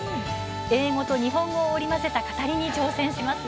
英語と日本語を織り交ぜた語りに挑戦します。